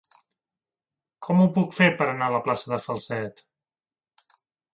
Com ho puc fer per anar a la plaça de Falset?